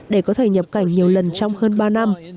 để có thể nhập cảnh nhiều lần trong hơn ba năm